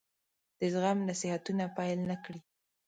د زغم نصيحتونه پیل نه کړي.